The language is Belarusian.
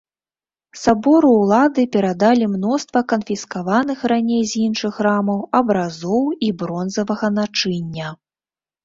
Сабору ўлады перадалі мноства канфіскаваных раней з іншых храмаў абразоў і бронзавага начыння.